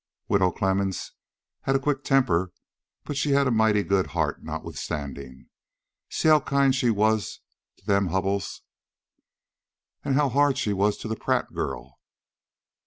"Widow Clemmens had a quick temper, but she had a mighty good heart notwithstanding. See how kind she was to them Hubbells." "And how hard she was to that Pratt girl."